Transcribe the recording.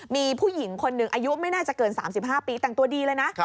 มีผู้หญิงคนหนึ่งอายุไม่น่าจะเกิน๓๕ปีแต่งตัวดีเลยนะ